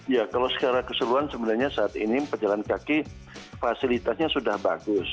ya kalau secara keseluruhan sebenarnya saat ini pejalan kaki fasilitasnya sudah bagus